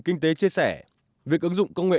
kinh tế chia sẻ việc ứng dụng công nghệ